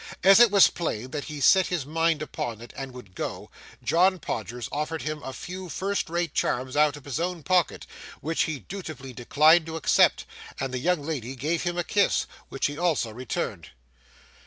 As it was plain that he set his mind upon it, and would go, John Podgers offered him a few first rate charms out of his own pocket, which he dutifully declined to accept; and the young lady gave him a kiss, which he also returned.